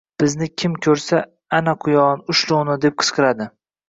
Bizni kim ko’rsa: «Ana quyon! Ushla uni!» — deb qichqiradi